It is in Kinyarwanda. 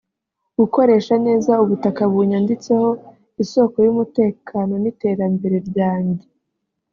Gukoresha neza ubutaka bunyanditseho isoko y’umutekano n’iterambere ryanjye